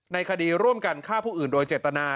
คดีร่วมกันฆ่าผู้อื่นโดยเจตนา